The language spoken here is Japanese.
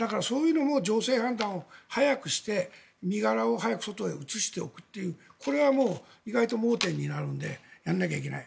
そういうのも情勢判断を早くして身柄を外に移しておくというのはこれは意外と盲点になるので頑張らないといけない。